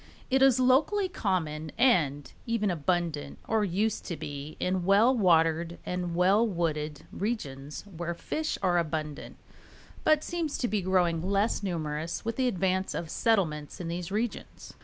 It is locally common and even abundant, or used to be, in well watered and well wooded regions where fish are abundant, but seems to be growing less numerous with the advance of settlements in these regions.